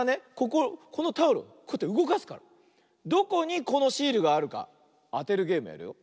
こここのタオルこうやってうごかすからどこにこのシールがあるかあてるゲームやるよ。